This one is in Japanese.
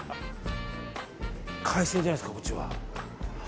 海鮮じゃないですか、こっちは。